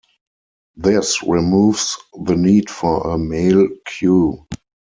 This removes the need for a mail queue.